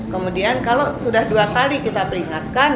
kemudian kalau sudah dua kali kita peringatkan